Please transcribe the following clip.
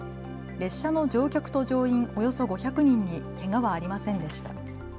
列車の乗客と乗員およそ５００人にけがはありませんでした。